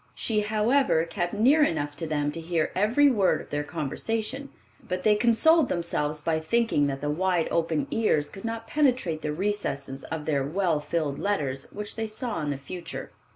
She, however, kept near enough to them to hear every word of their conversation; but they consoled themselves by thinking that the wide open ears could not penetrate the recesses of their well filled letters which they saw in the future.